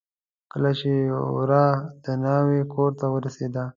کله چې ورا د ناوې کورته ور ورسېده.